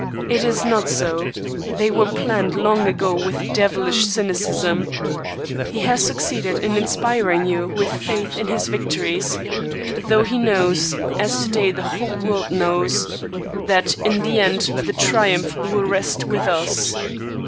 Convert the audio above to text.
It is not so; they were planned long ago with devilish cynicism. He has succeeded in inspiring you with faith in his victories, though he knows, as to day the whole world knows, that in the end the triumph will rest with us.